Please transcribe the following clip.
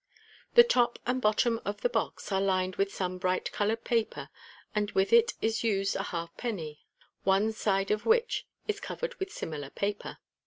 The top and bottom of the box are lined with some bright* coloured paper, and with it is used a halfpenny, one side of which is covered with similar paper.